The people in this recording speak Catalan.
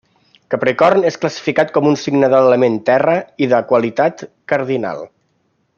Capricorn és classificat com un signe de l'element terra i de qualitat cardinal.